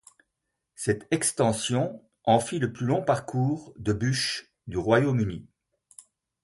Cette extension en fit le plus long parcours de bûches du Royaume-Uni.